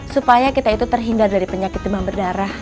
supaya kita itu terhindar dari penyakit demam berdarah